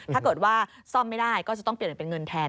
ถ้าเกิดว่าซ่อมไม่ได้ก็จะต้องเปลี่ยนเป็นเงินแทน